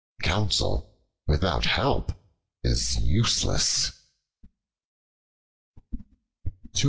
Counsel without help is useless.